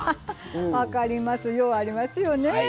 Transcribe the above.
分かりますようありますよね。